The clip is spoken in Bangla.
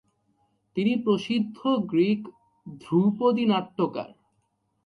তিনি প্রসিদ্ধ গ্রিক ধ্রুপদী নাট্যকার।